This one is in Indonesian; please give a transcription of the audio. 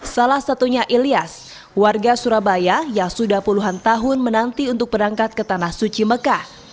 salah satunya ilyas warga surabaya yang sudah puluhan tahun menanti untuk berangkat ke tanah suci mekah